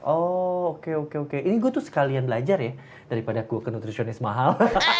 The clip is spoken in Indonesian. oh oke oke oke ini gue tuh sekalian belajar ya daripada ku ke nutritionis mahal